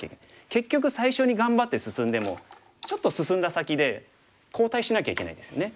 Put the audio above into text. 結局最初に頑張って進んでもちょっと進んだ先で後退しなきゃいけないですよね。